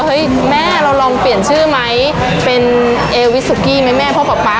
เฮ้ยแม่เราลองเปลี่ยนชื่อไหมเป็นเอวิสุกี้ไหมแม่พ่อป๊าป๊า